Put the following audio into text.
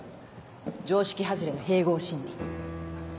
常識外れの併合審理。